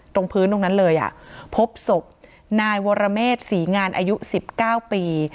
ตรงพื้นตรงนั้นเลยพบศพนายวรเมษศรีงานอายุ๑๙ปี